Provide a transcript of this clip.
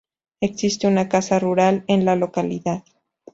Existe una casa rural en la localidad